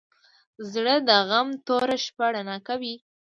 زړه د غم توره شپه رڼا کوي.